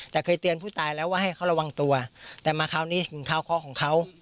แต่เคยเตือนผู้ตายแล้วว่าให้เขาระวังตัวแต่มาคราวนี้ถึงคาวเคาะของเขา